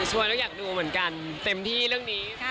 ช่วยแล้วอยากดูเหมือนกันเต็มที่เรื่องนี้